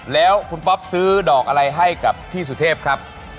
แล้วคุณป๊อปซื้อดอกอะไรให้กับพี่สุเทพครับ